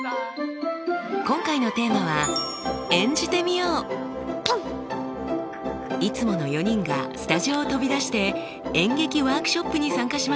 今回のテーマはいつもの４人がスタジオを飛び出して演劇ワークショップに参加しました。